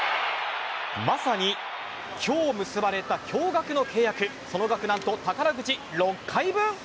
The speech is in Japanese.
まさに今日結ばれた驚愕の契約その額何と宝くじ６回分。